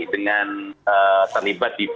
dengan terlibat di beberapa film